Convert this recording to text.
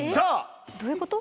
どういうこと？